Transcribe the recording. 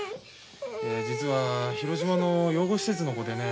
実は広島の養護施設の子でね。